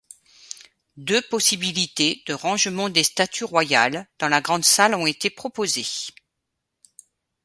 Deux possibilités de rangement des statues royales dans la grand salle ont été proposées.